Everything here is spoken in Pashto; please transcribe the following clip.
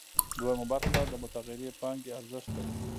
دویمه برخه د متغیرې پانګې ارزښت دی